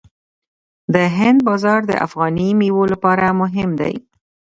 د هند بازار د افغاني میوو لپاره مهم دی.